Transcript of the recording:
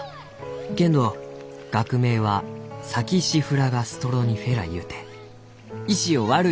けんど学名はサキシフラガ・ストロニフェラゆうて『石を割る』